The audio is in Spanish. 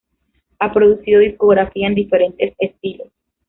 Ha producido discografía en diferentes estilos.